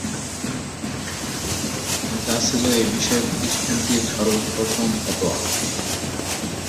যা ছিল এ বিষয়ে প্রতিষ্ঠানটির সর্বপ্রথম ফতোয়া।